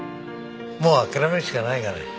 もう諦めるしかないがね。